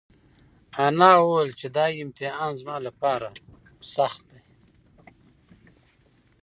انا وویل چې دا امتحان زما لپاره سخته ده.